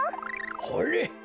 ほれ。